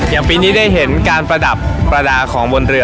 อย่างปีนี้ได้เห็นการประดับประดาษของบนเรือ